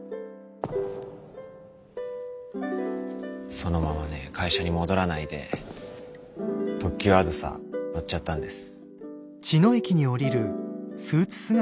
そのままね会社に戻らないで特急あずさ乗っちゃったんです。